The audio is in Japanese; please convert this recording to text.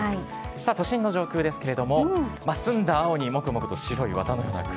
さあ、都心の上空ですけれども、澄んだ青に、もくもくと白い綿のような雲。